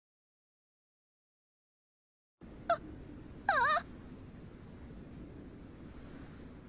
あっあぁ。